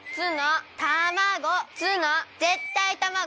ぜったいたまご！